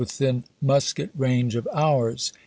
wdthin musket range of ours.